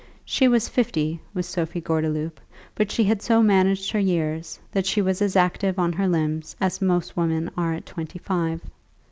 She was fifty, was Sophie Gordeloup, but she had so managed her years that she was as active on her limbs as most women are at twenty five.